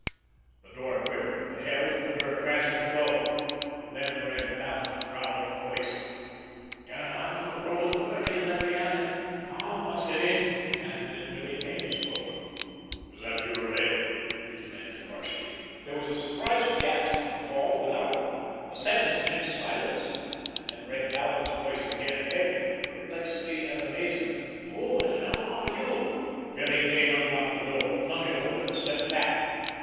The door quivered, but held, under a crashing blow. Then Red Vallon's growling voice: "Get out of the road, Birdie, and let me at it! I'll bust it in!" And then Billy Kane spoke. "Is that you, Red?" he demanded harshly. There was a surprised gasp from the hall without, a second's tense silence, and then Red Vallon's voice again, heavy with perplexity and amazement: "Who in hell are you?" Billy Kane unlocked the door, flung it open, and stepped back.